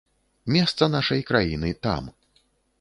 Месца нашай краіны там.